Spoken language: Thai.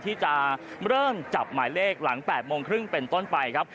ที่จะเริ่มจับหมายเลขหลัง๘โมงครึ่งเป็นต้นไปครับ